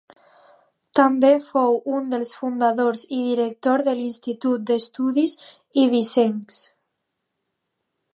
També fou un dels fundadors i director de l'Institut d'Estudis Eivissencs.